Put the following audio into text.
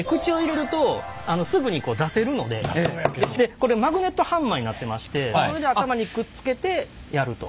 これマグネットハンマーになってましてこれで頭にくっつけてやると。